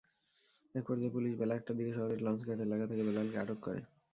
একপর্যায়ে পুলিশ বেলা একটার দিকে শহরের লঞ্চঘাট এলাকা থেকে বেলালকে আটক করে।